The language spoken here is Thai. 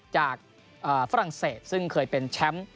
ฝรั่งเศสซึ่งเคยเป็นแชมป์